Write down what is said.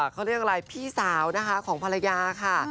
เขาเรียกอะไรพี่สาวนะคะของภรรยาค่ะ